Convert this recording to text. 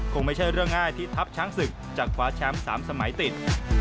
คงไม่ใช่เรื่องง่ายที่ทัพช้างศึกจะคว้าแชมป์๓สมัยติด